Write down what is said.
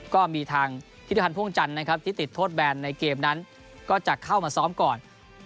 ก็มีทางทิศภัณฑ์พ่วงจันทร์นะครับที่ติดโทษแบนในเกมนั้นก็จะเข้ามาซ้อมก่อน